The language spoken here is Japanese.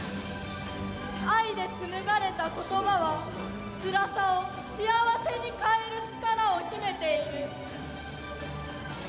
愛で紡がれたことばは、つらさを幸せに変える力を秘めている。